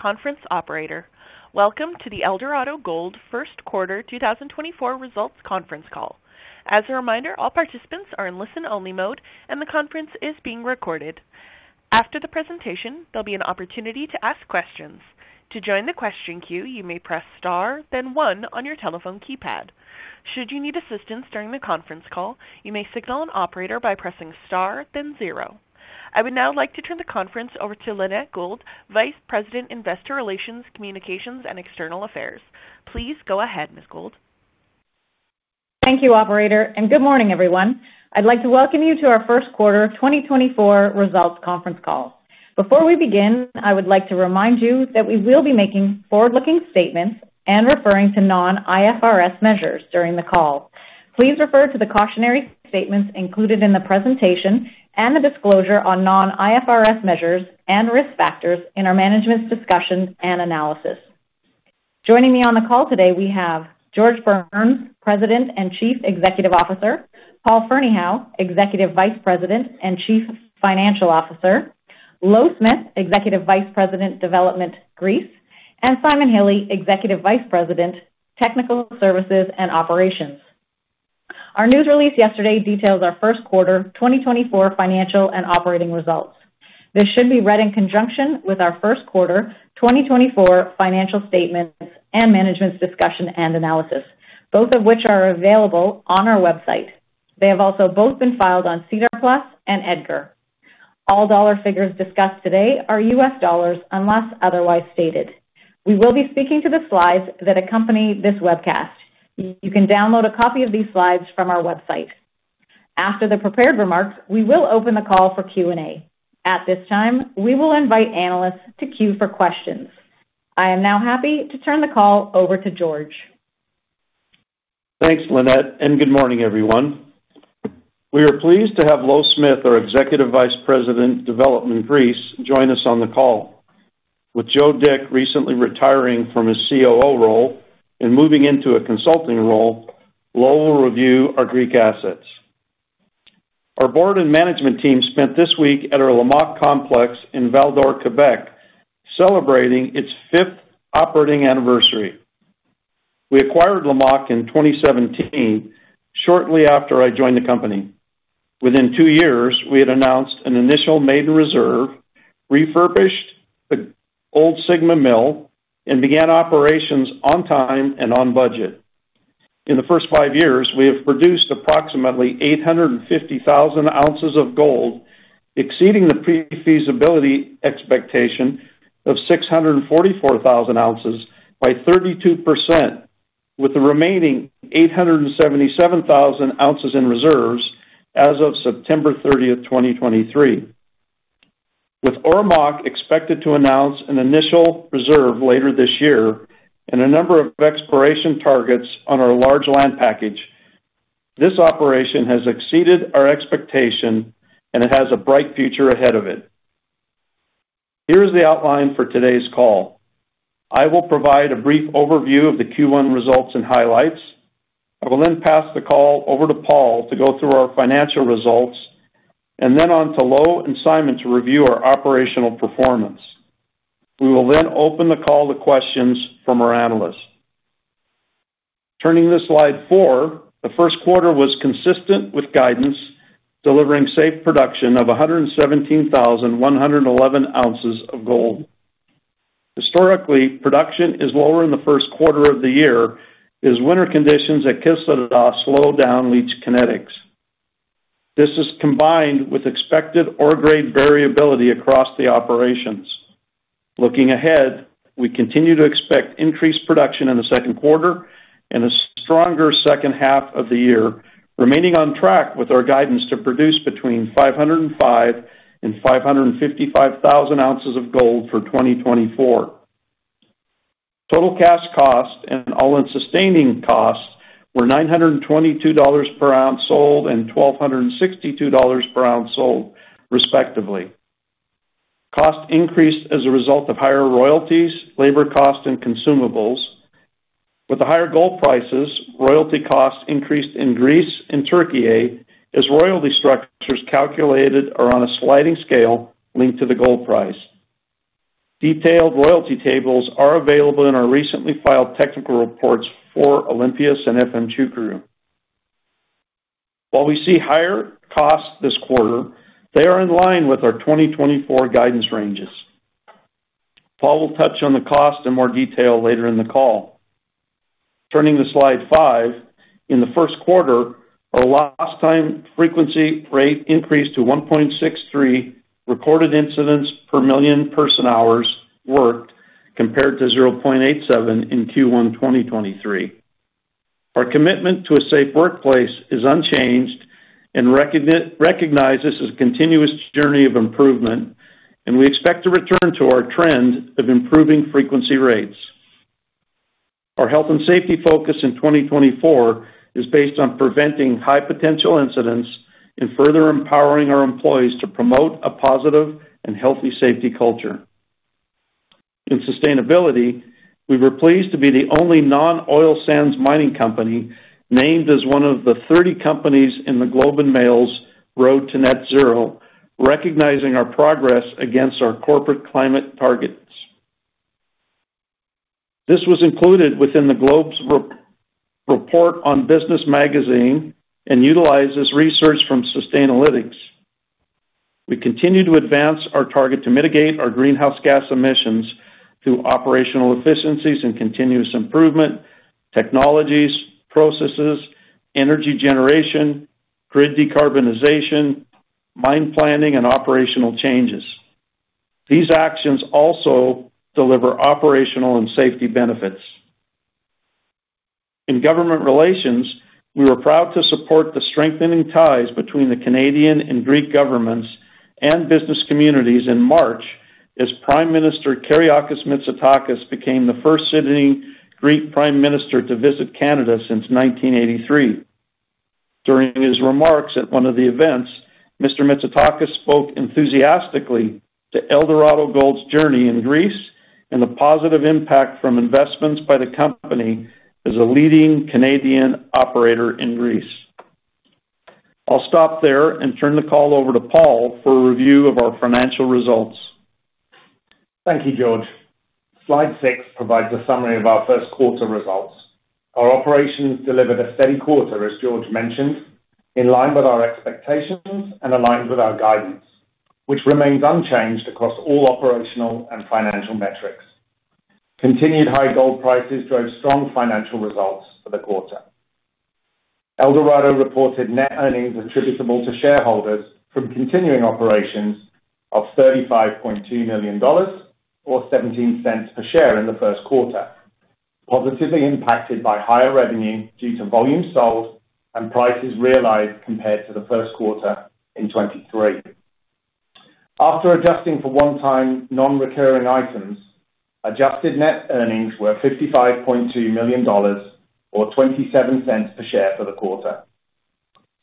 Conference operator. Welcome to the Eldorado Gold First Quarter 2024 Results Conference Call. As a reminder, all participants are in listen-only mode, and the conference is being recorded. After the presentation, there'll be an opportunity to ask questions. To join the question queue, you may press star, then one on your telephone keypad. Should you need assistance during the conference call, you may signal an operator by pressing star, then zero. I would now like to turn the conference over to Lynette Gould, Vice President Investor Relations, Communications, and External Affairs. Please go ahead, Ms. Gould. Thank you, operator, and good morning, everyone. I'd like to welcome you to our first quarter 2024 results conference call. Before we begin, I would like to remind you that we will be making forward-looking statements and referring to non-IFRS measures during the call. Please refer to the cautionary statements included in the presentation and the disclosure on non-IFRS measures and risk factors in our management's discussion and analysis. Joining me on the call today, we have George Burns, President and Chief Executive Officer, Paul Ferneyhough, Executive Vice President and Chief Financial Officer, Louw Smith, Executive Vice President, Development, Greece, and Simon Hille, Executive Vice President, Technical Services and Operations. Our news release yesterday details our first quarter 2024 financial and operating results. This should be read in conjunction with our first quarter 2024 financial statements and management's discussion and analysis, both of which are available on our website. They have also both been filed on SEDAR+ and EDGAR. All dollar figures discussed today are U.S. dollars unless otherwise stated. We will be speaking to the slides that accompany this webcast. You can download a copy of these slides from our website. After the prepared remarks, we will open the call for Q&A. At this time, we will invite analysts to cue for questions. I am now happy to turn the call over to George. Thanks, Lynette, and good morning, everyone. We are pleased to have Louw Smith, our Executive Vice President, Development, Greece, join us on the call. With Joe Dick recently retiring from his COO role and moving into a consulting role, Louw will review our Greek assets. Our board and management team spent this week at our Lamaque complex in Val-d'Or, Quebec, celebrating its fifth operating anniversary. We acquired Lamaque in 2017, shortly after I joined the company. Within two years, we had announced an initial maiden reserve, refurbished the old Sigma mill, and began operations on time and on budget. In the first five years, we have produced approximately 850,000 oz of gold, exceeding the pre-feasibility expectation of 644,000 oz by 32%, with the remaining 877,000 oz in reserves as of September 30th, 2023. With Ormaque expected to announce an initial reserve later this year and a number of exploration targets on our large land package, this operation has exceeded our expectation, and it has a bright future ahead of it. Here is the outline for today's call. I will provide a brief overview of the Q1 results and highlights. I will then pass the call over to Paul to go through our financial results, and then on to Louw and Simon to review our operational performance. We will then open the call to questions from our analysts. Turning to slide four, the first quarter was consistent with guidance, delivering safe production of 117,111 oz of gold. Historically, production is lower in the first quarter of the year as winter conditions at Kışladağ slow down leach kinetics. This is combined with expected ore-grade variability across the operations. Looking ahead, we continue to expect increased production in the second quarter and a stronger second half of the year, remaining on track with our guidance to produce between 505,000 oz and 555,000 oz of gold for 2024. Total cash cost and all-in-sustaining costs were $922 per ounce sold and $1,262 per ounce sold, respectively. Cost increased as a result of higher royalties, labor costs, and consumables. With the higher gold prices, royalty costs increased in Greece and Türkiye as royalty structures calculated are on a sliding scale linked to the gold price. Detailed royalty tables are available in our recently filed technical reports for Olympias and Efemçukuru. While we see higher costs this quarter, they are in line with our 2024 guidance ranges. Paul will touch on the cost in more detail later in the call. Turning to slide five, in the first quarter, our lost-time frequency rate increased to 1.63 recorded incidents per million person-hours worked compared to 0.87 in Q1 2023. Our commitment to a safe workplace is unchanged and recognizes a continuous journey of improvement, and we expect to return to our trend of improving frequency rates. Our health and safety focus in 2024 is based on preventing high-potential incidents and further empowering our employees to promote a positive and healthy safety culture. In sustainability, we were pleased to be the only non-oil sands mining company named as one of the 30 companies in The Globe and Mail's Road to Net Zero, recognizing our progress against our corporate climate targets. This was included within The Globe's Report on Business magazine and utilizes research from Sustainalytics. We continue to advance our target to mitigate our greenhouse gas emissions through operational efficiencies and continuous improvement, technologies, processes, energy generation, grid decarbonization, mine planning, and operational changes. These actions also deliver operational and safety benefits. In government relations, we were proud to support the strengthening ties between the Canadian and Greek governments and business communities in March as Prime Minister Kyriakos Mitsotakis became the first sitting Greek Prime Minister to visit Canada since 1983. During his remarks at one of the events, Mr. Mitsotakis spoke enthusiastically to Eldorado Gold's journey in Greece and the positive impact from investments by the company as a leading Canadian operator in Greece. I'll stop there and turn the call over to Paul for a review of our financial results. Thank you, George. Slide six provides a summary of our first quarter results. Our operations delivered a steady quarter, as George mentioned, in line with our expectations and aligned with our guidance, which remains unchanged across all operational and financial metrics. Continued high gold prices drove strong financial results for the quarter. Eldorado reported net earnings attributable to shareholders from continuing operations of $35.2 million or $0.17 per share in the first quarter, positively impacted by higher revenue due to volume sold and prices realized compared to the first quarter in 2023. After adjusting for one-time non-recurring items, adjusted net earnings were $55.2 million or $0.27 per share for the quarter.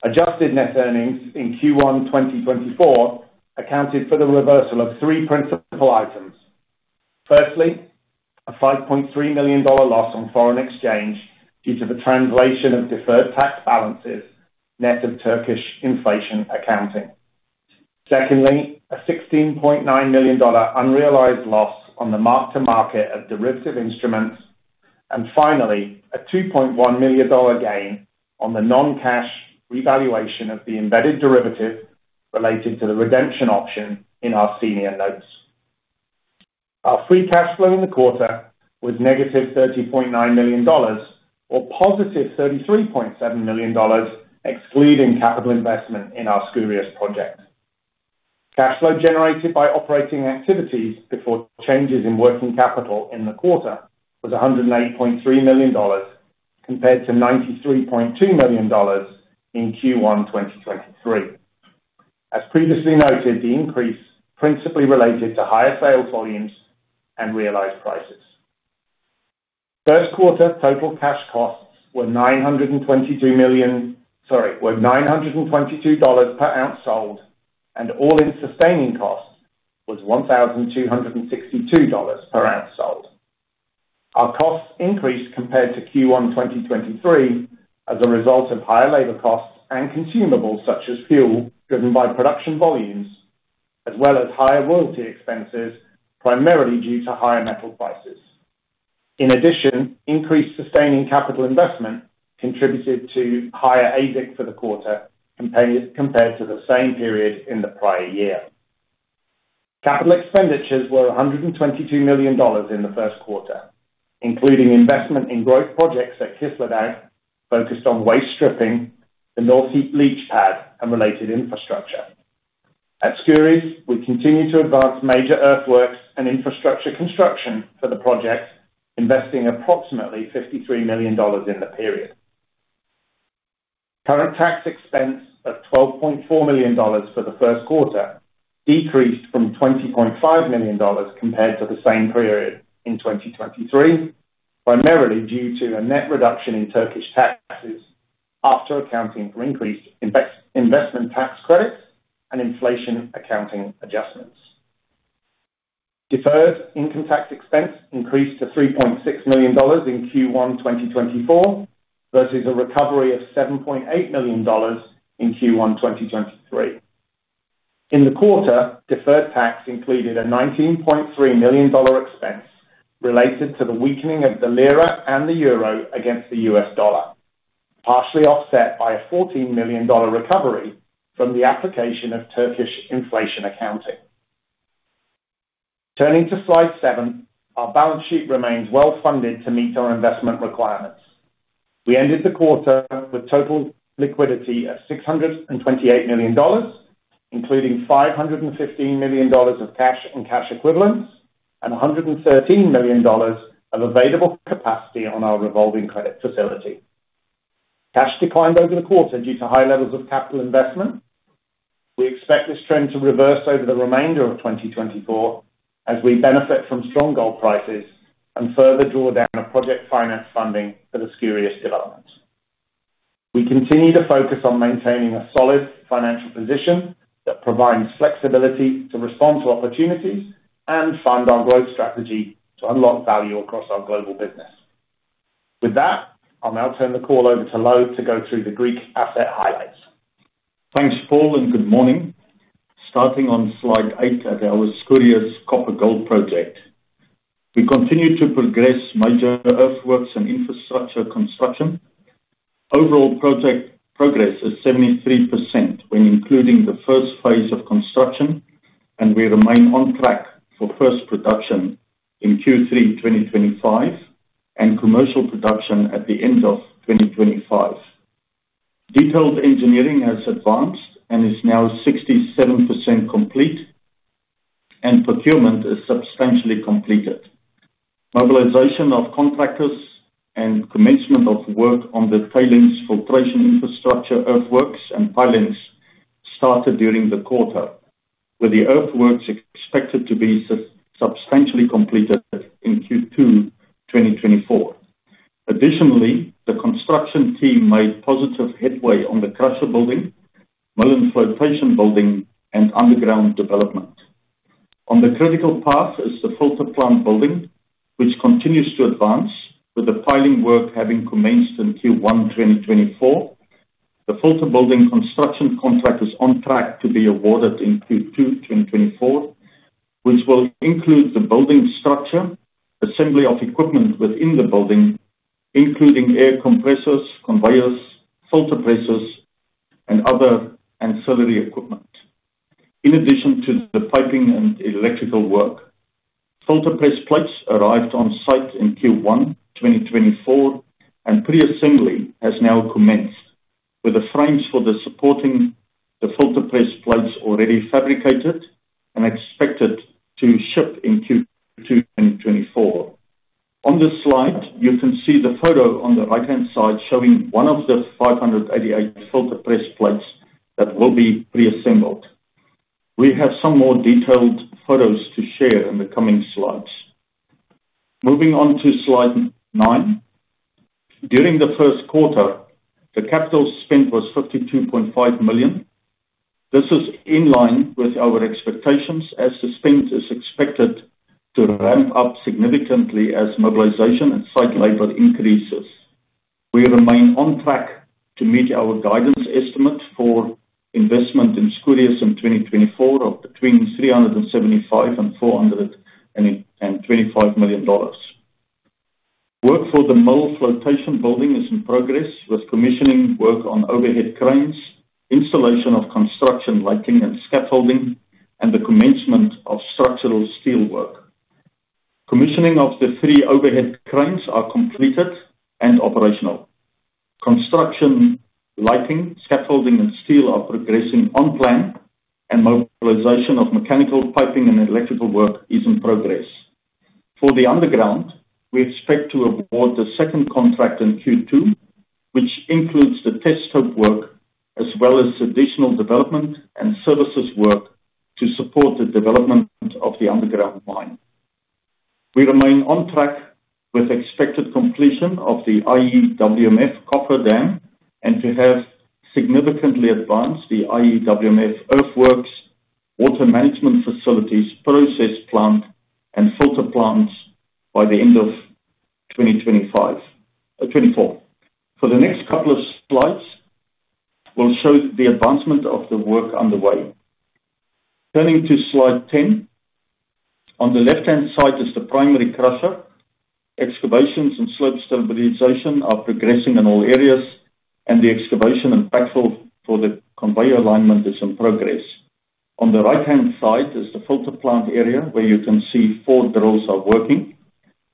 Adjusted net earnings in Q1 2024 accounted for the reversal of three principal items. Firstly, a $5.3 million loss on foreign exchange due to the translation of deferred tax balances net of Turkish inflation accounting. Secondly, a $16.9 million unrealized loss on the mark-to-market of derivative instruments. And finally, a $2.1 million gain on the non-cash revaluation of the embedded derivative related to the redemption option in our senior notes. Our free cash flow in the quarter was -$30.9 million or positive $33.7 million, excluding capital investment in our Skouries project. Cash flow generated by operating activities before changes in working capital in the quarter was $108.3 million compared to $93.2 million in Q1 2023. As previously noted, the increase principally related to higher sales volumes and realized prices. First quarter total cash costs were $922 per ounce sold, and All-in sustaining costs was $1,262 per ounce sold. Our costs increased compared to Q1 2023 as a result of higher labor costs and consumables such as fuel driven by production volumes, as well as higher royalty expenses primarily due to higher metal prices. In addition, increased sustaining capital investment contributed to higher AISC for the quarter compared to the same period in the prior year. Capital expenditures were $122 million in the first quarter, including investment in growth projects at Kışladağ focused on waste stripping, the North Heap Leach Pad, and related infrastructure. At Skouries, we continue to advance major earthworks and infrastructure construction for the project, investing approximately $53 million in the period. Current tax expense of $12.4 million for the first quarter decreased from $20.5 million compared to the same period in 2023, primarily due to a net reduction in Turkish taxes after accounting for increased investment tax credits and inflation accounting adjustments. Deferred income tax expense increased to $3.6 million in Q1 2024 versus a recovery of $7.8 million in Q1 2023. In the quarter, deferred tax included a $19.3 million expense related to the weakening of the lira and the euro against the U.S. dollar, partially offset by a $14 million recovery from the application of Turkish inflation accounting. Turning to slide seven, our balance sheet remains well-funded to meet our investment requirements. We ended the quarter with total liquidity of $628 million, including $515 million of cash and cash equivalents and $113 million of available capacity on our revolving credit facility. Cash declined over the quarter due to high levels of capital investment. We expect this trend to reverse over the remainder of 2024 as we benefit from strong gold prices and further draw down the project finance funding for the Skouries development. We continue to focus on maintaining a solid financial position that provides flexibility to respond to opportunities and fund our growth strategy to unlock value across our global business. With that, I'll now turn the call over to Louw to go through the Greek asset highlights. Thanks, Paul, and good morning. Starting on slide eight of our Skouries copper-gold project, we continue to progress major earthworks and infrastructure construction. Overall project progress is 73% when including the first phase of construction, and we remain on track for first production in Q3 2025 and commercial production at the end of 2025. Detailed engineering has advanced and is now 67% complete, and procurement is substantially completed. Mobilization of contractors and commencement of work on the tailings filtration infrastructure earthworks and pilings started during the quarter, with the earthworks expected to be substantially completed in Q2 2024. Additionally, the construction team made positive headway on the crusher building, mill and flotation building, and underground development. On the critical path is the filter plant building, which continues to advance, with the piling work having commenced in Q1 2024. The filter building construction contract is on track to be awarded in Q2 2024, which will include the building structure, assembly of equipment within the building, including air compressors, conveyors, filter presses, and other ancillary equipment. In addition to the piping and electrical work, filter press plates arrived on site in Q1 2024, and pre-assembly has now commenced, with the frames for supporting the filter press plates already fabricated and expected to ship in Q2 2024. On this slide, you can see the photo on the right-hand side showing one of the 588 filter press plates that will be pre-assembled. We have some more detailed photos to share in the coming slides. Moving on to slide nine, during the first quarter, the capital spent was $52.5 million. This is in line with our expectations as the spend is expected to ramp up significantly as mobilization and site labor increases. We remain on track to meet our guidance estimate for investment in Skouries in 2024 of between $375 million-$425 million. Work for the mill flotation building is in progress, with commissioning work on overhead cranes, installation of construction lighting and scaffolding, and the commencement of structural steel work. Commissioning of the three overhead cranes are completed and operational. Construction lighting, scaffolding, and steel are progressing on plan, and mobilization of mechanical piping and electrical work is in progress. For the underground, we expect to award the second contract in Q2, which includes the test stope work as well as additional development and services work to support the development of the underground mine. We remain on track with expected completion of the IEWMF Coffer Dam and to have significantly advanced the IEWMF earthworks, water management facilities, process plant, and filter plants by the end of 2024. For the next couple of slides, we'll show the advancement of the work underway. Turning to slide 10, on the left-hand side is the primary crusher. Excavations and slope stabilization are progressing in all areas, and the excavation impact for the conveyor alignment is in progress. On the right-hand side is the filter plant area where you can see four drills are working.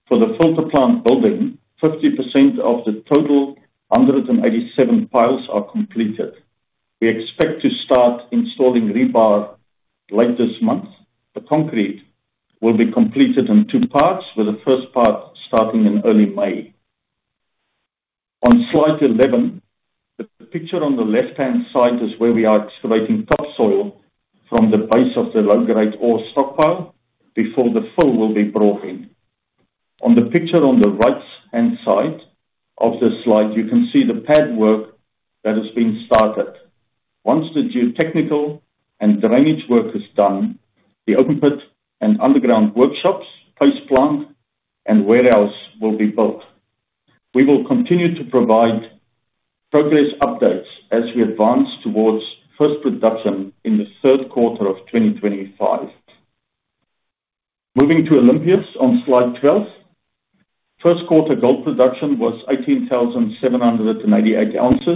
For the filter plant building, 50% of the total 187 piles are completed. We expect to start installing rebar late this month. The concrete will be completed in two parts, with the first part starting in early May. On slide 11, the picture on the left-hand side is where we are excavating topsoil from the base of the low-grade ore stockpile before the fill will be brought in. On the picture on the right-hand side of the slide, you can see the pad work that has been started. Once the geotechnical and drainage work is done, the open pit and underground workshops, paste plant, and warehouse will be built. We will continue to provide progress updates as we advance towards first production in the third quarter of 2025. Moving to Olympias on slide 12, first quarter gold production was 18,788 oz,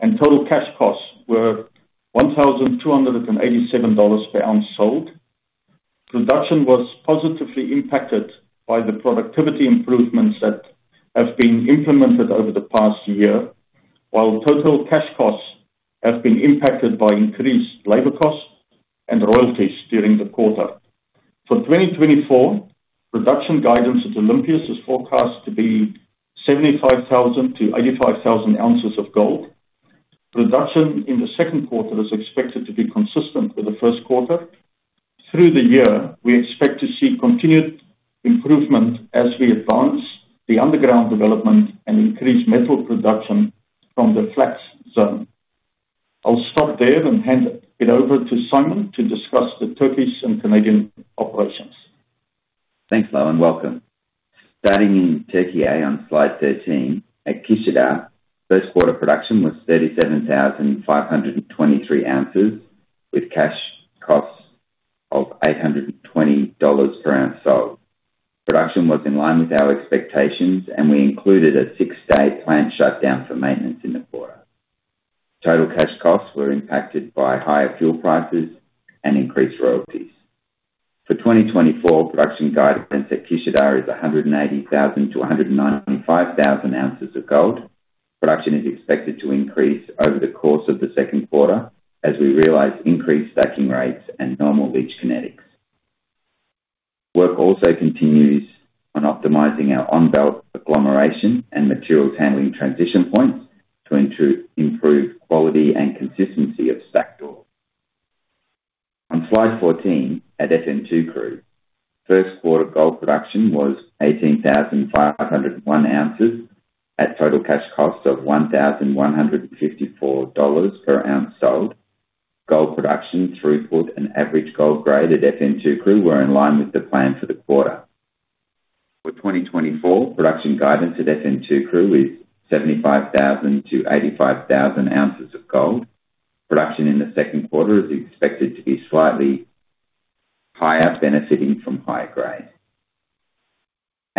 and total cash costs were $1,287 per ounce sold. Production was positively impacted by the productivity improvements that have been implemented over the past year, while total cash costs have been impacted by increased labor costs and royalties during the quarter. For 2024, production guidance at Olympias is forecast to be 75,000 oz-85,000 oz of gold. Production in the second quarter is expected to be consistent with the first quarter. Through the year, we expect to see continued improvement as we advance the underground development and increase metal production from the flat zone. I'll stop there and hand it over to Simon to discuss the Turkish and Canadian operations. Thanks, Louw. Welcome. Starting in Türkiye on slide 13, at Kışladağ, first quarter production was 37,523 oz, with cash costs of $820 per ounce sold. Production was in line with our expectations, and we included a six-day plant shutdown for maintenance in the quarter. Total cash costs were impacted by higher fuel prices and increased royalties. For 2024, production guidance at Kışladağ is 180,000 oz-195,000 oz of gold. Production is expected to increase over the course of the second quarter as we realize increased stacking rates and normal leach kinetics. Work also continues on optimizing our on-belt agglomeration and materials handling transition points to improve quality and consistency of stacked ore. On slide 14 at Efemçukuru, first quarter gold production was 18,501 oz at total cash costs of $1,154 per ounce sold. Gold production, throughput, and average gold grade at Efemçukuru were in line with the plan for the quarter. For 2024, production guidance at Efemçukuru is 75,000 oz-85,000 oz of gold. Production in the second quarter is expected to be slightly higher, benefiting from higher grade.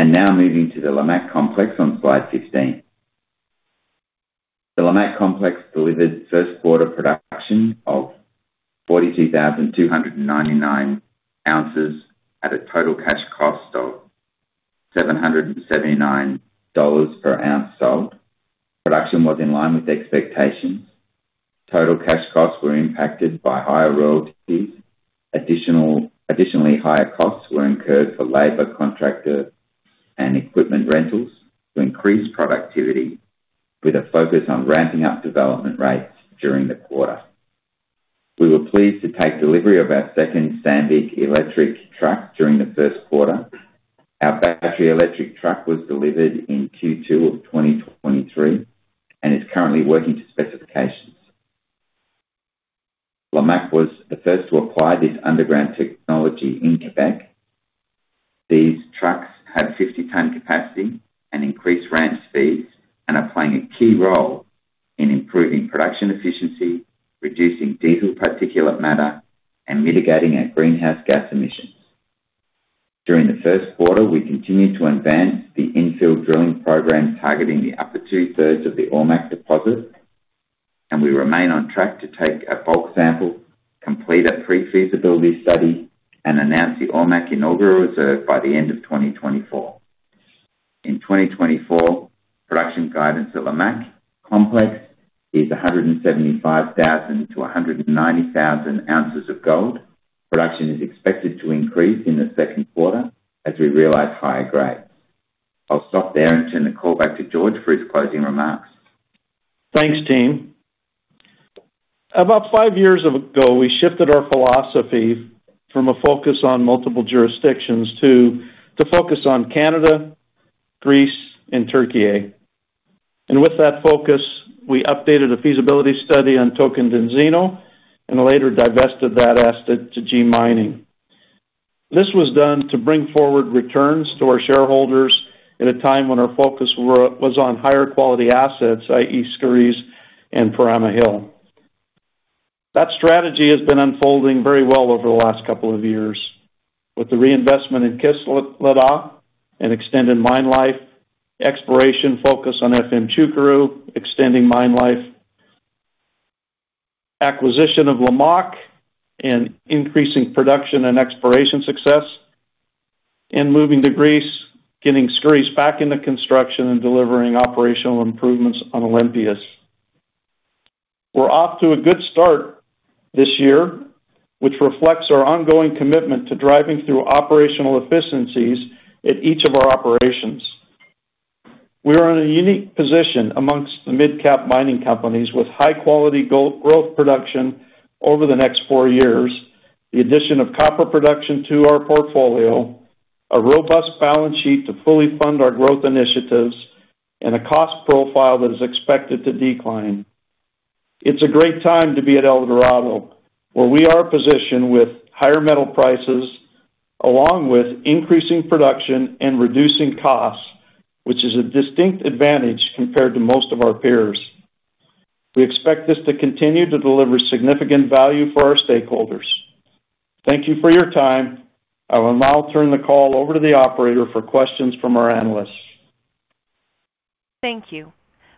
Now moving to the Lamaque complex on slide 15. The Lamaque complex delivered first quarter production of 42,299 oz at a total cash cost of $779 per ounce sold. Production was in line with expectations. Total cash costs were impacted by higher royalties. Additionally, higher costs were incurred for labor, contractor, and equipment rentals to increase productivity, with a focus on ramping up development rates during the quarter. We were pleased to take delivery of our second Sandvik electric truck during the first quarter. Our battery electric truck was delivered in Q2 of 2023 and is currently working to specifications. Lamaque was the first to apply this underground technology in Quebec. These trucks have 50-ton capacity and increased ramp speeds and are playing a key role in improving production efficiency, reducing diesel particulate matter, and mitigating our greenhouse gas emissions. During the first quarter, we continued to advance the infield drilling program targeting the upper two-thirds of the Ormaque deposit, and we remain on track to take a bulk sample, complete a pre-feasibility study, and announce the Ormaque inaugural reserve by the end of 2024. In 2024, production guidance at Lamaque complex is 175,000 oz-190,000 oz of gold. Production is expected to increase in the second quarter as we realize higher grade. I'll stop there and turn the call back to George for his closing remarks. Thanks, team. About five years ago, we shifted our philosophy from a focus on multiple jurisdictions to a focus on Canada, Greece, and Turkey. And with that focus, we updated a feasibility study on Tocantinzinho and later divested that asset to G Mining. This was done to bring forward returns to our shareholders at a time when our focus was on higher quality assets, i.e., Skouries and Perama Hill. That strategy has been unfolding very well over the last couple of years, with the reinvestment in Kışladağ and extended mine life, exploration focus on Efemçukuru, extending mine life, acquisition of Lamaque and increasing production and exploration success, and moving to Greece, getting Skouries back into construction and delivering operational improvements on Olympias. We're off to a good start this year, which reflects our ongoing commitment to driving through operational efficiencies at each of our operations. We are in a unique position amongst the mid-cap mining companies with high-quality growth production over the next four years, the addition of copper production to our portfolio, a robust balance sheet to fully fund our growth initiatives, and a cost profile that is expected to decline. It's a great time to be at Eldorado, where we are positioned with higher metal prices along with increasing production and reducing costs, which is a distinct advantage compared to most of our peers. We expect this to continue to deliver significant value for our stakeholders. Thank you for your time. I will now turn the call over to the operator for questions from our analysts. Thank you.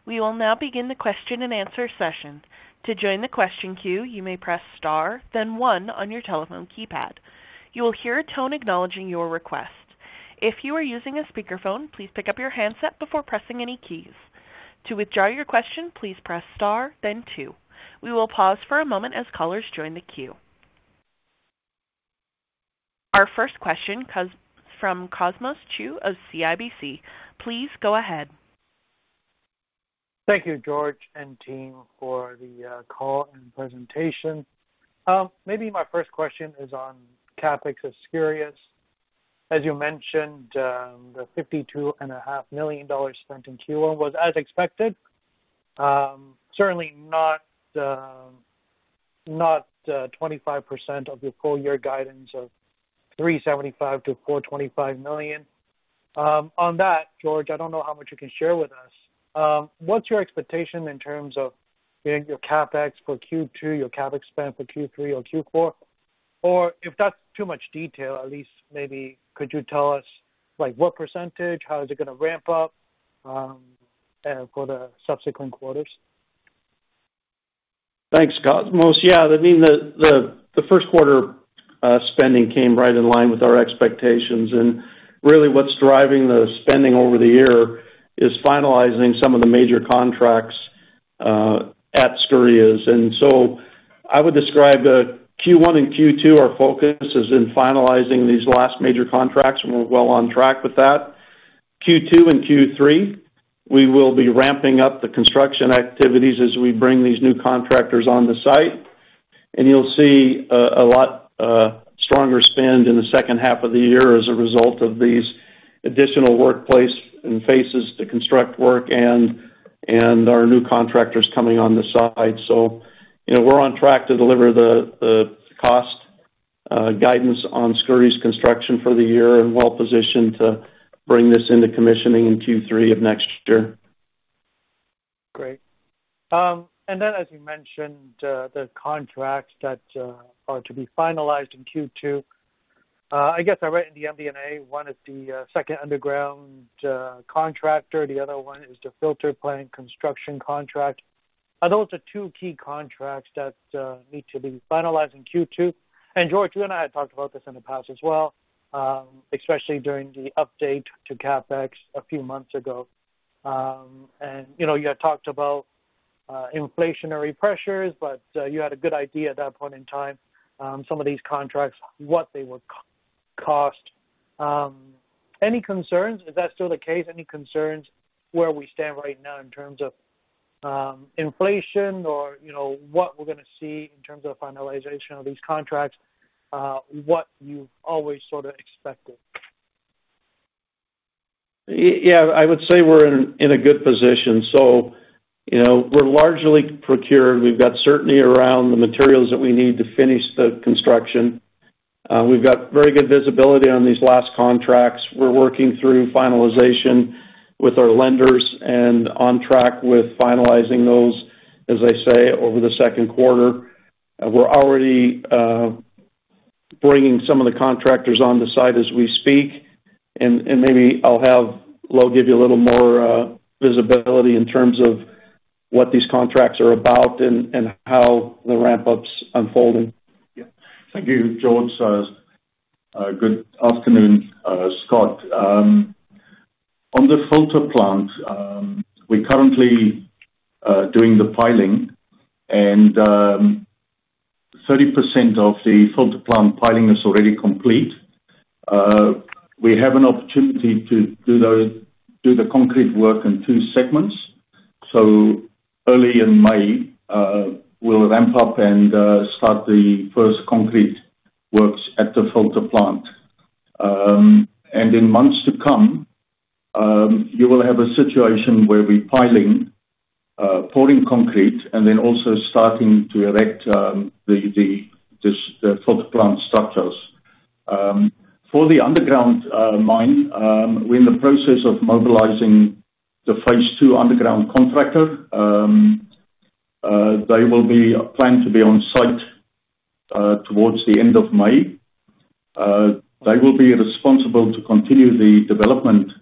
We will now begin the question-and-answer session. To join the question queue, you may press star, then one on your telephone keypad. You will hear a tone acknowledging your request. If you are using a speakerphone, please pick up your handset before pressing any keys. To withdraw your question, please press star, then two. We will pause for a moment as callers join the queue. Our first question comes from Cosmos Chiu of CIBC. Please go ahead. Thank you, George and team, for the call and presentation. Maybe my first question is on CapEx of Skouries. As you mentioned, the $52.5 million spent in Q1 was as expected, certainly not 25% of your full-year guidance of $375 million-$425 million. On that, George, I don't know how much you can share with us. What's your expectation in terms of your CapEx for Q2, your CapEx spend for Q3 or Q4? Or if that's too much detail, at least maybe could you tell us what percentage, how is it going to ramp up for the subsequent quarters? Thanks, Cosmos. Yeah, I mean, the first quarter spending came right in line with our expectations. And really, what's driving the spending over the year is finalizing some of the major contracts at Skouries. And so I would describe Q1 and Q2, our focus is in finalizing these last major contracts, and we're well on track with that. Q2 and Q3, we will be ramping up the construction activities as we bring these new contractors on the site. And you'll see a lot stronger spend in the second half of the year as a result of these additional workplace and phases to construct work and our new contractors coming on the site. So we're on track to deliver the cost guidance on Skouries construction for the year and well positioned to bring this into commissioning in Q3 of next year. Great. And then, as you mentioned, the contracts that are to be finalized in Q2, I guess I read in the MD&A, one is the second underground contractor, the other one is the filter plant construction contract. Those are two key contracts that need to be finalized in Q2. And George, you and I had talked about this in the past as well, especially during the update to CapEx a few months ago. And you had talked about inflationary pressures, but you had a good idea at that point in time, some of these contracts, what they would cost. Any concerns? Is that still the case? Any concerns where we stand right now in terms of inflation or what we're going to see in terms of finalization of these contracts, what you've always sort of expected? Yeah, I would say we're in a good position. So we're largely procured. We've got certainty around the materials that we need to finish the construction. We've got very good visibility on these last contracts. We're working through finalization with our lenders and on track with finalizing those, as I say, over the second quarter. We're already bringing some of the contractors on the site as we speak. And maybe I'll have Louw give you a little more visibility in terms of what these contracts are about and how the ramp-up's unfolding. Yeah. Thank you, George. Good afternoon, Cosmos. On the filter plant, we're currently doing the piling, and 30% of the filter plant piling is already complete. We have an opportunity to do the concrete work in two segments. So early in May, we'll ramp up and start the first concrete works at the filter plant. And in months to come, you will have a situation where we're piling, pouring concrete, and then also starting to erect the filter plant structures. For the underground mine, we're in the process of mobilizing the phase two underground contractor. They will be planned to be on site towards the end of May. They will be responsible to continue the development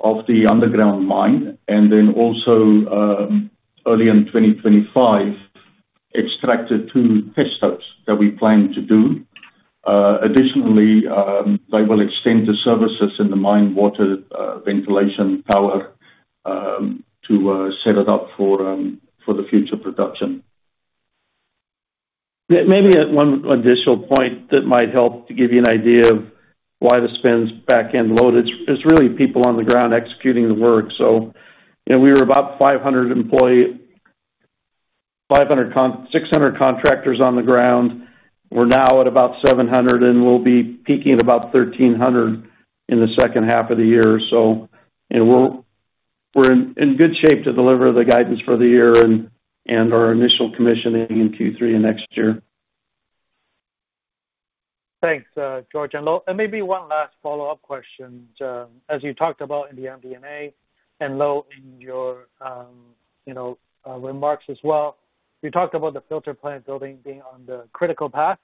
of the underground mine and then also, early in 2025, extract the two test stopes that we plan to do. Additionally, they will extend the services in the mine, water, ventilation, power to set it up for the future production. Maybe one additional point that might help to give you an idea of why the spend's backend loaded is really people on the ground executing the work. So we were about 500 employees, 600 contractors on the ground. We're now at about 700, and we'll be peaking at about 1,300 in the second half of the year. So we're in good shape to deliver the guidance for the year and our initial commissioning in Q3 of next year. Thanks, George Burns and Louw Smith. And maybe one last follow-up question. As you talked about in the MD&A and Louw Smith in your remarks as well, you talked about the filter plant building being on the critical path.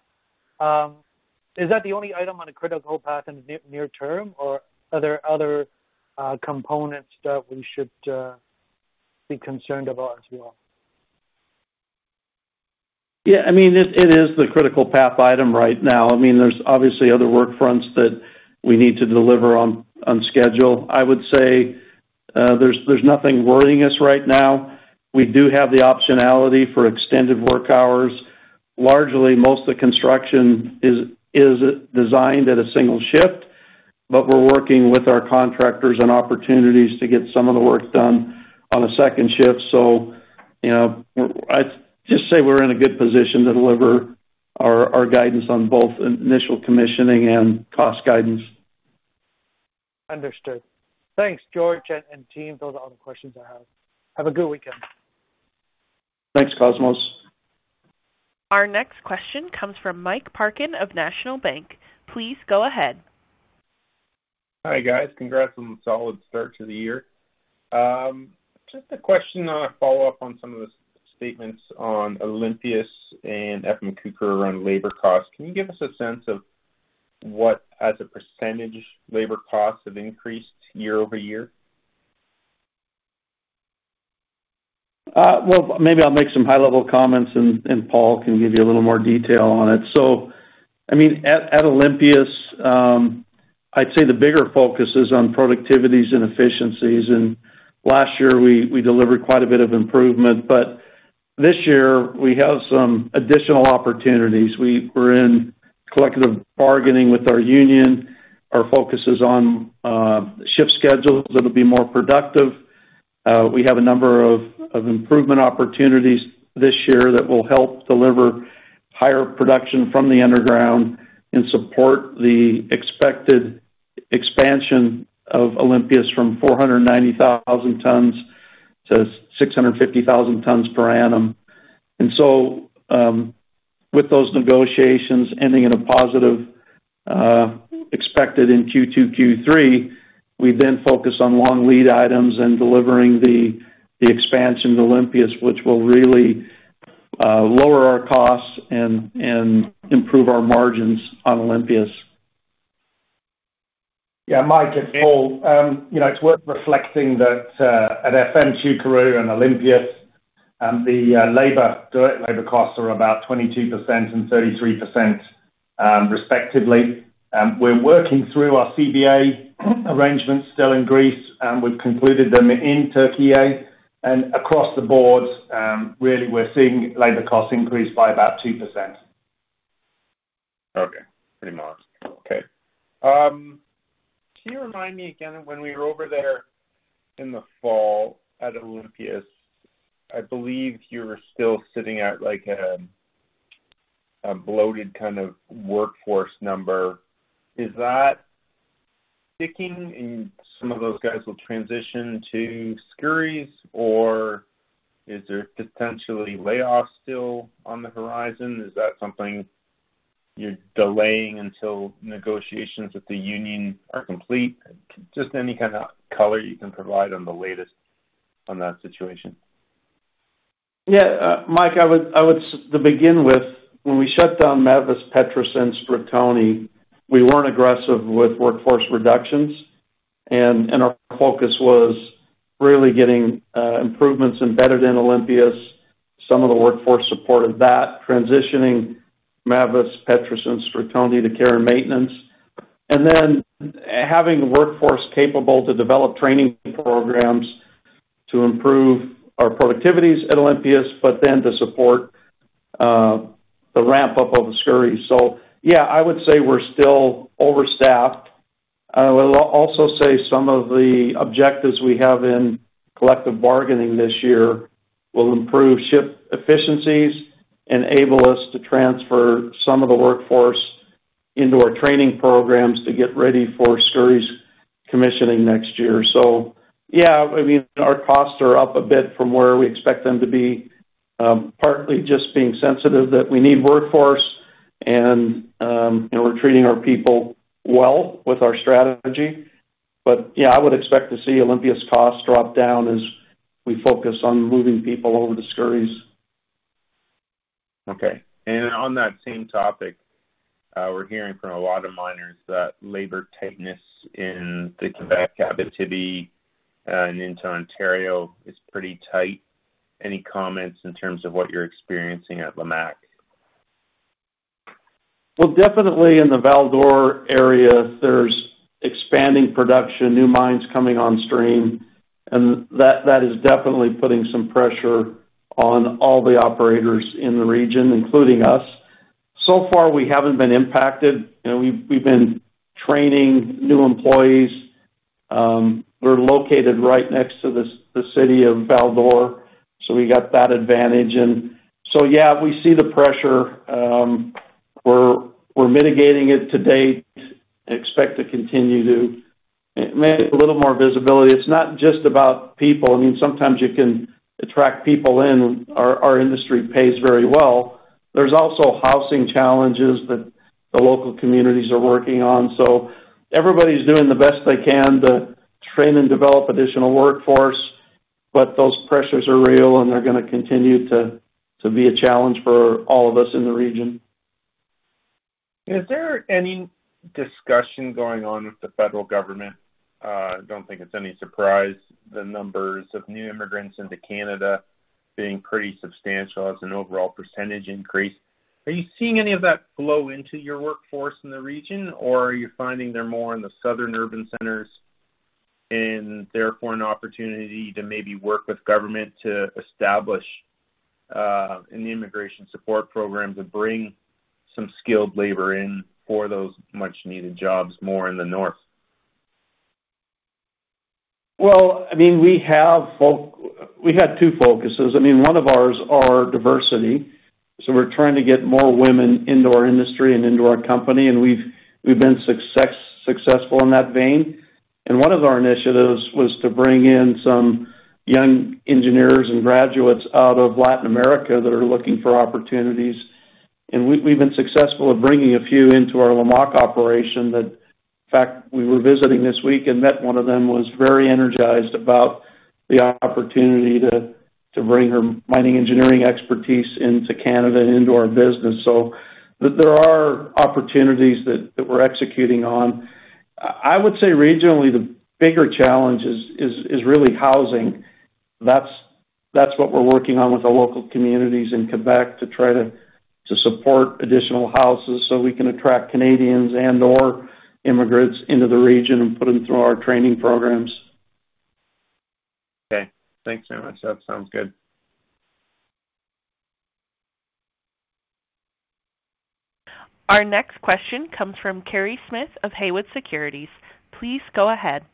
Is that the only item on the critical path in the near term, or are there other components that we should be concerned about as well? Yeah, I mean, it is the critical path item right now. I mean, there's obviously other work fronts that we need to deliver on schedule. I would say there's nothing worrying us right now. We do have the optionality for extended work hours. Largely, most of the construction is designed at a single shift, but we're working with our contractors on opportunities to get some of the work done on a second shift. So I'd just say we're in a good position to deliver our guidance on both initial commissioning and cost guidance. Understood. Thanks, George and team. Those are all the questions I have. Have a good weekend. Thanks, Cosmos. Our next question comes from Mike Parkin of National Bank. Please go ahead. Hi, guys. Congrats on the solid start to the year. Just a question on a follow-up on some of the statements on Olympias and Efemçukuru around labor costs. Can you give us a sense of what, as a percentage, labor costs have increased year-over-year? Well, maybe I'll make some high-level comments, and Paul can give you a little more detail on it. So I mean, at Olympias, I'd say the bigger focus is on productivities and efficiencies. And last year, we delivered quite a bit of improvement. But this year, we have some additional opportunities. We're in collective bargaining with our union. Our focus is on shift schedules that'll be more productive. We have a number of improvement opportunities this year that will help deliver higher production from the underground and support the expected expansion of Olympias from 490,000-650,000 tons per annum. And so with those negotiations ending in a positive expected in Q2, Q3, we then focus on long lead items and delivering the expansion to Olympias, which will really lower our costs and improve our margins on Olympias. Yeah, Mike, it's Paul. It's worth reflecting that at Efemçukuru and Olympias, the direct labor costs are about 22% and 33%, respectively. We're working through our CBA arrangements still in Greece. We've concluded them in Turkey. Across the board, really, we're seeing labor costs increase by about 2%. Okay. Pretty much. Okay. Can you remind me again, when we were over there in the fall at Olympias, I believe you were still sitting at a bloated kind of workforce number. Is that sticking? And some of those guys will transition to Skouries, or is there potentially layoffs still on the horizon? Is that something you're delaying until negotiations with the union are complete? Just any kind of color you can provide on the latest on that situation. Yeah, Mike, I would begin with, when we shut down Mavres Petres and Stratoni, we weren't aggressive with workforce reductions. And our focus was really getting improvements embedded in Olympias, some of the workforce support of that, transitioning Mavres Petres and Stratoni to care and maintenance, and then having a workforce capable to develop training programs to improve our productivities at Olympias but then to support the ramp-up of Skouries. So yeah, I would say we're still overstaffed. I will also say some of the objectives we have in collective bargaining this year will improve shift efficiencies and enable us to transfer some of the workforce into our training programs to get ready for Skouries commissioning next year. So yeah, I mean, our costs are up a bit from where we expect them to be, partly just being sensitive that we need workforce, and we're treating our people well with our strategy. But yeah, I would expect to see Olympias costs drop down as we focus on moving people over to Skouries. Okay. On that same topic, we're hearing from a lot of miners that labor tightness in the Quebec Capital Region and into Ontario is pretty tight. Any comments in terms of what you're experiencing at Lamaque? Well, definitely in the Val-d'Or area, there's expanding production, new mines coming on stream. And that is definitely putting some pressure on all the operators in the region, including us. So far, we haven't been impacted. We've been training new employees. We're located right next to the city of Val-d'Or, so we got that advantage. And so yeah, we see the pressure. We're mitigating it to date. Expect to continue to. Maybe a little more visibility. It's not just about people. I mean, sometimes you can attract people in. Our industry pays very well. There's also housing challenges that the local communities are working on. So everybody's doing the best they can to train and develop additional workforce, but those pressures are real, and they're going to continue to be a challenge for all of us in the region. Is there any discussion going on with the federal government? I don't think it's any surprise, the numbers of new immigrants into Canada being pretty substantial as an overall percentage increase. Are you seeing any of that flow into your workforce in the region, or are you finding they're more in the southern urban centers and therefore an opportunity to maybe work with government to establish any immigration support programs and bring some skilled labor in for those much-needed jobs more in the north? Well, I mean, we have two focuses. I mean, one of ours is diversity. So we're trying to get more women into our industry and into our company, and we've been successful in that vein. And one of our initiatives was to bring in some young engineers and graduates out of Latin America that are looking for opportunities. And we've been successful at bringing a few into our Lamaque operation that, in fact, we were visiting this week and met one of them who was very energized about the opportunity to bring her mining engineering expertise into Canada and into our business. So there are opportunities that we're executing on. I would say regionally, the bigger challenge is really housing. That's what we're working on with the local communities in Quebec to try to support additional houses so we can attract Canadians and/or immigrants into the region and put them through our training programs. Okay. Thanks very much. That sounds good. Our next question comes from Kerry Smith of Haywood Securities. Please go ahead.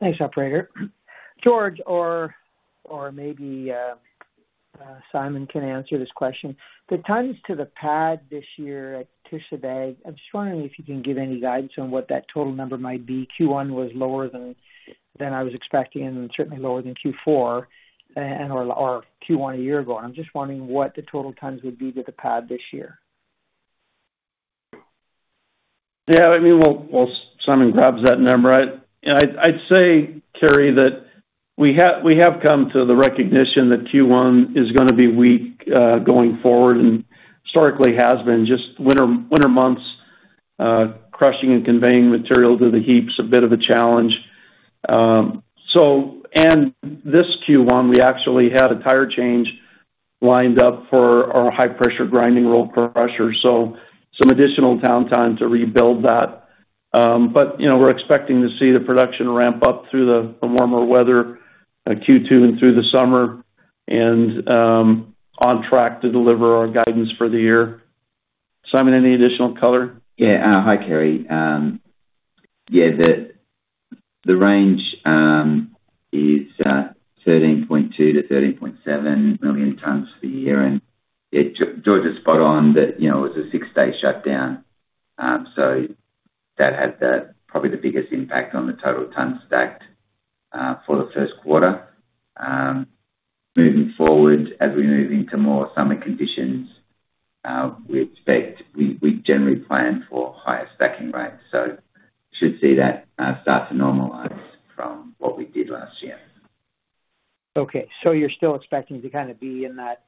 Thanks, operator. George, or maybe Simon can answer this question. The tons to the pad this year at Kışladağ, I'm just wondering if you can give any guidance on what that total number might be. Q1 was lower than I was expecting and certainly lower than Q4 or Q1 a year ago. And I'm just wondering what the total tons would be to the pad this year. Yeah, I mean, while Simon grabs that number, I'd say, Kerry, that we have come to the recognition that Q1 is going to be weak going forward and historically has been. Just winter months, crushing and conveying material to the heaps, a bit of a challenge. And this Q1, we actually had a tire change lined up for our high-pressure grinding roll crusher, so some additional downtime to rebuild that. But we're expecting to see the production ramp up through the warmer weather, Q2 and through the summer and on track to deliver our guidance for the year. Simon, any additional color? Yeah. Hi, Kerry. Yeah, the range is 13.2 million-13.7 million tons per year. And yeah, George is spot on that it was a six-day shutdown. So that had probably the biggest impact on the total tons stacked for the first quarter. Moving forward, as we move into more summer conditions, we generally plan for higher stacking rates. So we should see that start to normalize from what we did last year. Okay. So you're still expecting to kind of be in that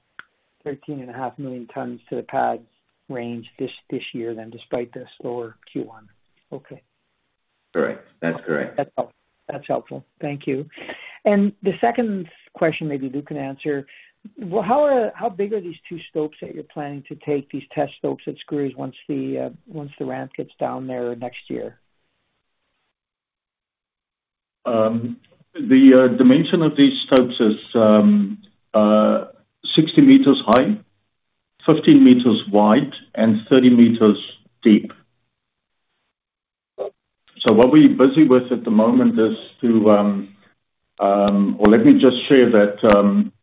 13.5 million tons to the pad range this year then despite the slower Q1? Okay. Correct. That's correct. That's helpful. Thank you. The second question, maybe Louw can answer. Well, how big are these two stopes that you're planning to take, these test stopes at Skouries once the ramp gets down there next year? The dimensions of these stopes is 60 m high, 15 m wide, and 30 m deep. So what we're busy with at the moment is, well, let me just share that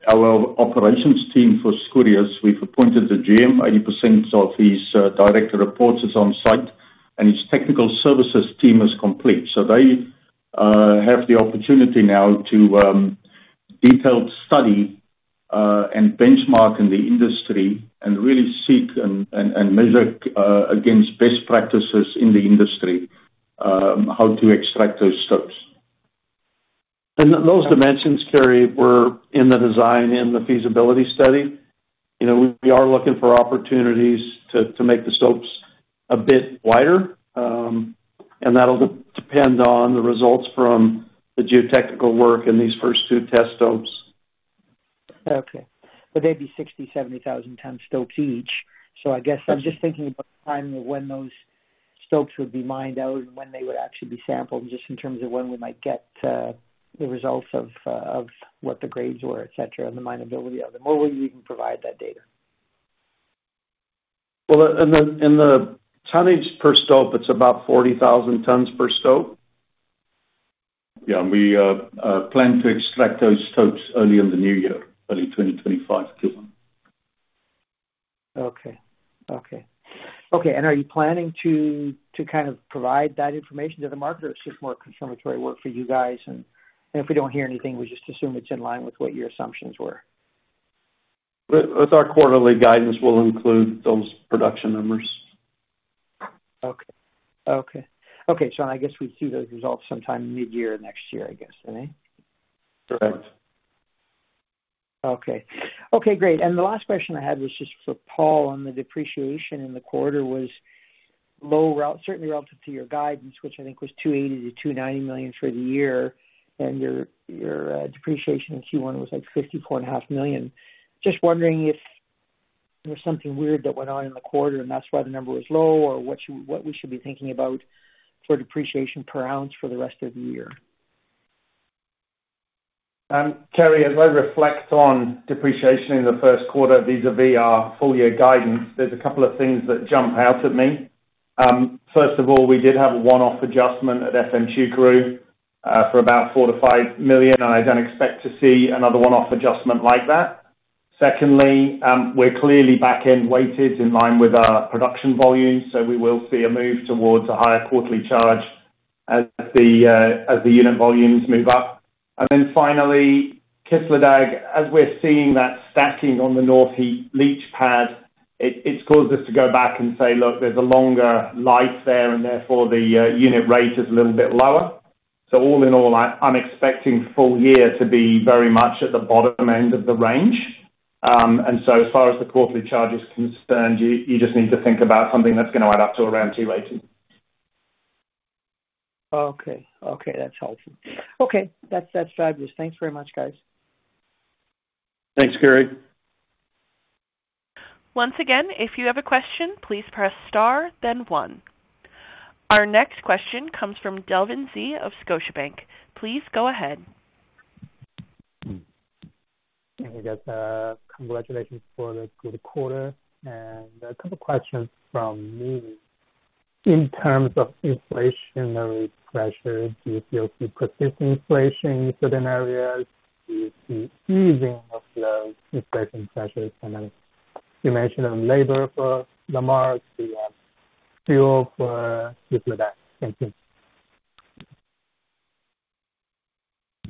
our operations team for Skouries, we've appointed the GM. 80% of his direct reports is on site, and his technical services team is complete. So they have the opportunity now to detailed study and benchmark in the industry and really seek and measure against best practices in the industry how to extract those stopes. Those dimensions, Kerry, were in the design and the feasibility study. We are looking for opportunities to make the stopes a bit wider, and that'll depend on the results from the geotechnical work in these first two test stopes. Okay. But they'd be 60,000-ton, 70,000-ton stopes each. So I guess I'm just thinking about the timing of when those stopes would be mined out and when they would actually be sampled, just in terms of when we might get the results of what the grades were, etc., and the minability of them. Or will you even provide that data? Well, in the tonnage per stope, it's about 40,000 tons per stope. Yeah. And we plan to extract those stopes early in the new year, early 2025 Q1. Okay. Okay. Okay. And are you planning to kind of provide that information to the market, or it's just more confirmatory work for you guys? And if we don't hear anything, we just assume it's in line with what your assumptions were. But our quarterly guidance will include those production numbers. Okay. Okay. Okay. So I guess we'd see those results sometime mid-year next year, I guess, then? Correct. Okay. Okay. Great. The last question I had was just for Paul. The depreciation in the quarter was low, certainly relative to your guidance, which I think was $280 million-$290 million for the year, and your depreciation in Q1 was like $54.5 million. Just wondering if there was something weird that went on in the quarter, and that's why the number was low, or what we should be thinking about for depreciation per ounce for the rest of the year. Kerry, as I reflect on depreciation in the first quarter, vis-à-vis our full-year guidance, there's a couple of things that jump out at me. First of all, we did have a one-off adjustment at Efemçukuru for about $4 million-$5 million, and I don't expect to see another one-off adjustment like that. Secondly, we're clearly back-end weighted in line with our production volumes, so we will see a move towards a higher quarterly charge as the unit volumes move up. And then finally, Kışladağ, as we're seeing that stacking on the North Heap leach pad, it's caused us to go back and say, "Look, there's a longer life there, and therefore, the unit rate is a little bit lower." So all in all, I'm expecting full year to be very much at the bottom end of the range. As far as the quarterly charge is concerned, you just need to think about something that's going to add up to around 280. Okay. Okay. That's helpful. Okay. That's fabulous. Thanks very much, guys. Thanks, Kerry. Once again, if you have a question, please press star, then 1. Our next question comes from Delvin Xie of Scotiabank. Please go ahead. We got congratulations for the good quarter. A couple of questions from me. In terms of inflationary pressure, do you still see persistent inflation in certain areas? Do you see easing of the inflation pressures? Then you mentioned labor for Lamaque, fuel for Kışladağ. Thank you.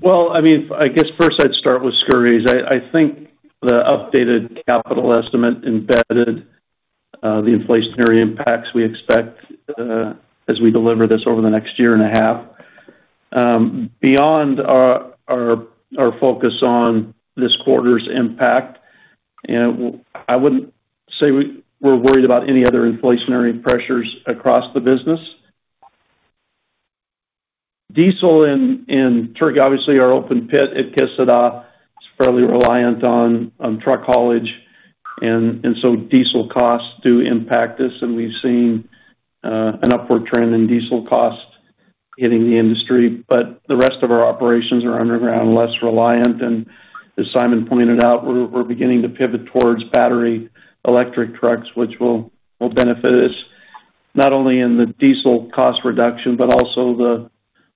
Well, I mean, I guess first, I'd start with Skouries. I think the updated capital estimate embedded the inflationary impacts we expect as we deliver this over the next year and a half. Beyond our focus on this quarter's impact, I wouldn't say we're worried about any other inflationary pressures across the business. Diesel in Turkey, obviously, our open pit at Kışladağ is fairly reliant on truck haulage, and so diesel costs do impact us. And we've seen an upward trend in diesel costs hitting the industry. But the rest of our operations are underground, less reliant. And as Simon pointed out, we're beginning to pivot towards battery electric trucks, which will benefit us not only in the diesel cost reduction but also the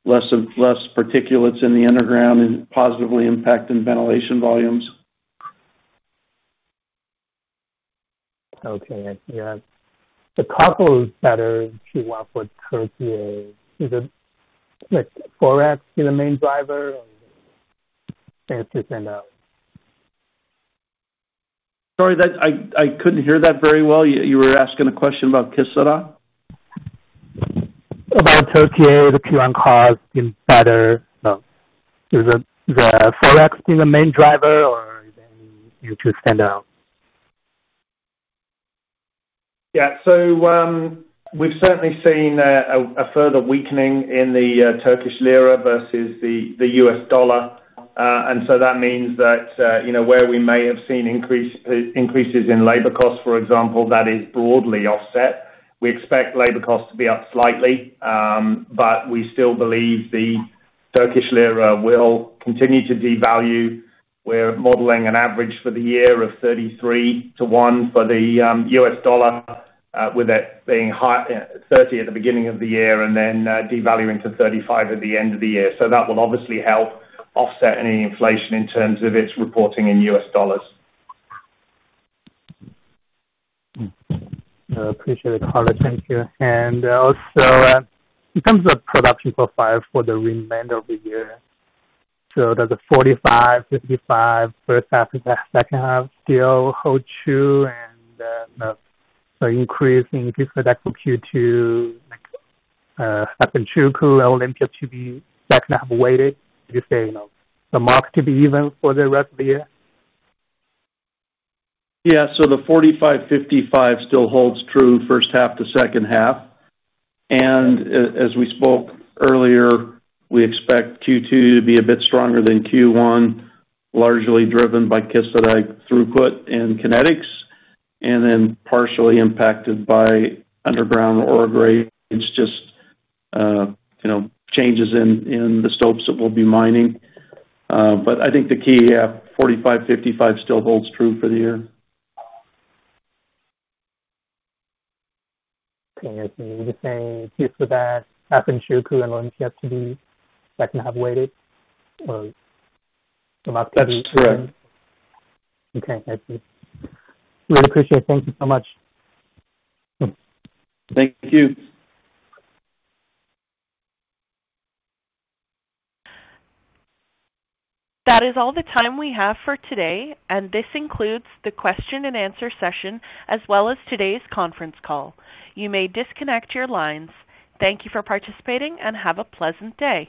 less particulates in the underground and positively impacting ventilation volumes. Okay. Yeah. The in Q1 for Turkey, is it Forex being the main driver, or to send out? Sorry, I couldn't hear that very well. You were asking a question about Kışladağ? About Turkey, the Q1 cost being better. So is Forex being the main driver, or is it anything you need to send out? Yeah. So we've certainly seen a further weakening in the Turkish lira versus the U.S. dollar. And so that means that where we may have seen increases in labor costs, for example, that is broadly offset. We expect labor costs to be up slightly, but we still believe the Turkish lira will continue to devalue. We're modeling an average for the year of 33:1 for the U.S. dollar, with it being 30 at the beginning of the year and then devaluing to 35 at the end of the year. So that will obviously help offset any inflation in terms of its reporting in U.S. dollars. I appreciate the color. Thank you. And also, in terms of production profile for the remainder of the year, so that's a 45, 55, first half and second half, still hold true, and so increase in Kışladağ for Q2, Efemçukuru, Olympias to be second half weighted. Do you say the market to be even for the rest of the year? Yeah. So the 45, 55 still holds true first half to second half. And as we spoke earlier, we expect Q2 to be a bit stronger than Q1, largely driven by Kışladağ throughput and kinetics, and then partially impacted by underground ore grades, just changes in the stopes that we'll be mining. But I think the key 45, 55 still holds true for the year. Okay. I see. You're just saying Kışladağ, Efemçukuru, and Olympias to be second half weighted, or Lamaque to be? That's correct. Okay. I see. Really appreciate it. Thank you so much. Thank you. That is all the time we have for today, and this includes the question-and-answer session as well as today's conference call. You may disconnect your lines. Thank you for participating, and have a pleasant day.